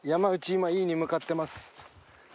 今Ｅに向かってます。